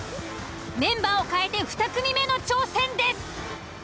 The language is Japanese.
メンバーを変えて２組目の挑戦です。